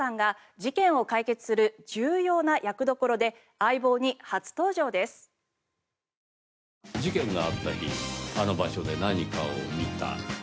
事件があった日あの場所で何かを見た。